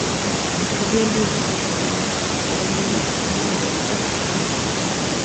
Descubrió libros en su niñez y devino en una lectora ávida.